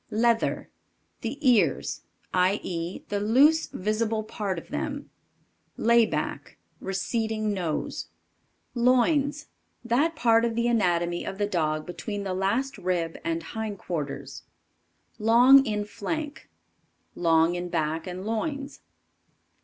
Leather. The ears i. e., the loose visible part of them. Layback. Receding nose. Loins. That part of the anatomy of the dog between the last rib and hindquarters. Long in Flank. Long in back and loins.